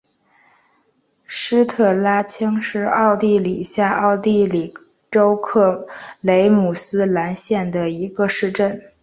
施特拉青是奥地利下奥地利州克雷姆斯兰县的一个市镇。